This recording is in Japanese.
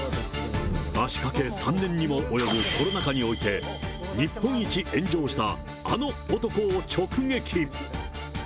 足かけ３年にも及ぶコロナ禍において、日本一炎上したあの男を直撃。